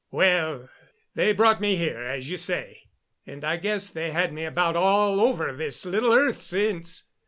Well, they brought me here, as you say, and I guess they've had me about all over this little earth since.